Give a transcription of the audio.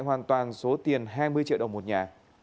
hoàn toàn số tiền hai mươi triệu đồng một nhà